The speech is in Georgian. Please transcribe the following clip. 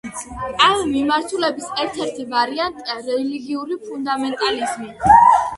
ამ მიმართულების ერთ-ერთი ვარიანტია რელიგიური ფუნდამენტალიზმი.